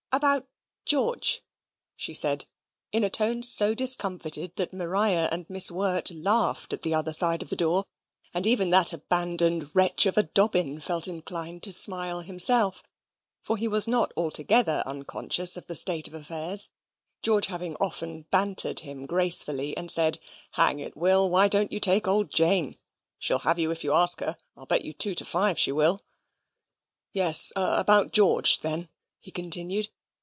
"About George?" she said in a tone so discomfited that Maria and Miss Wirt laughed at the other side of the door, and even that abandoned wretch of a Dobbin felt inclined to smile himself; for he was not altogether unconscious of the state of affairs: George having often bantered him gracefully and said, "Hang it, Will, why don't you take old Jane? She'll have you if you ask her. I'll bet you five to two she will." "Yes, about George, then," he continued.